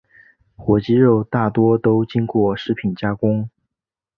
火鸡肉大多都经过食品加工。